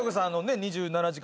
２７時間。